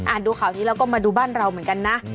ดูข่าวนี้แล้วก็มาดูบ้านเราเหมือนกันนะ